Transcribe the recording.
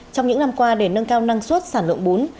trong những năm qua để nâng cao năng suất sản lượng bún